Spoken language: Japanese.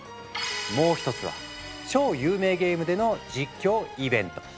もう１つは超有名ゲームでの実況イベント。